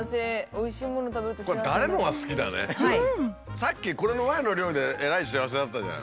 さっきこれの前の料理でえらい幸せだったじゃん。